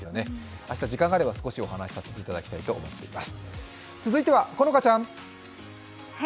明日、時間があれば少しお話しさせていただきます。